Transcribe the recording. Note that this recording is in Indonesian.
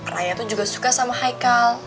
raya itu juga suka sama haikal